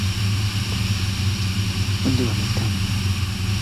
Hivi karibuni Tamasha la la Kimataifa la Filamu la Nchi za Jahazi Zanzibar limemalizika